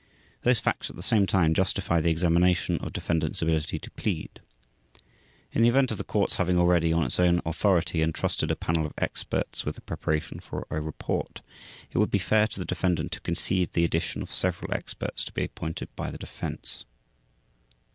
Those facts at the same time justify the examination of defendant's ability to plead. In the event of the Court's having already, on its own authority, entrusted a panel of experts with the preparation of a report, it would be fair to the defendant to concede the addition of several experts to be appointed by the Defense.